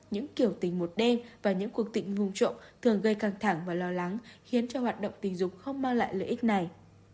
những kiểu tình một đêm và những cuộc tịnh vùng trộn thường gây căng thẳng và lo lắng khiến cho hoạt động tình dục không mang lại lợi ích này